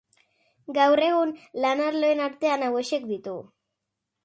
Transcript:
Gaur egun, lan-arloen artean hauexek ditugu.